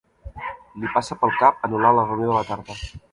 Li passa pel cap anul·lar la reunió de la tarda.